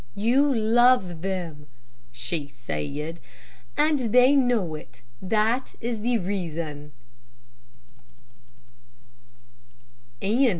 "You love them," she said, "and they know it. That is the reason."